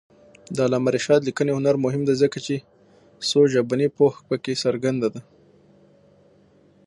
د علامه رشاد لیکنی هنر مهم دی ځکه چې څوژبني پوهه پکې څرګنده ده.